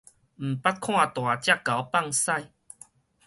毋捌看大隻猴放屎